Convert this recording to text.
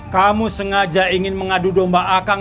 kamu sengaja ingin mengadu domba akang